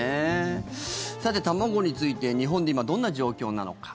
さて、卵について日本で今、どんな状況なのか。